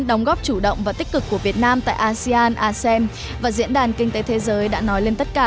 đóng góp chủ động và tích cực của việt nam tại asean asem và diễn đàn kinh tế thế giới đã nói lên tất cả